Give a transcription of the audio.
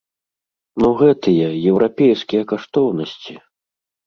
Ну гэтыя, еўрапейскія каштоўнасці!